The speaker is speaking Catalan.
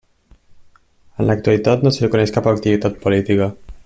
En l'actualitat no se li coneix cap activitat política.